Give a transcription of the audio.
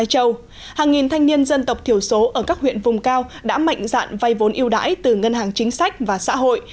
hàng nghìn thanh niên dân tộc thiểu số ở các huyện vùng cao đã mạnh dạn vay vốn yêu đãi từ ngân hàng chính sách và xã hội